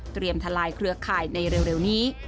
ทลายเครือข่ายในเร็วนี้